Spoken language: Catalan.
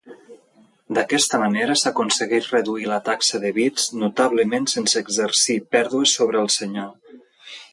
D'aquesta manera s'aconsegueix reduir la taxa de bits notablement sense exercir pèrdues sobre el senyal.